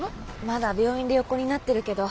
まだ病院で横になってるけど。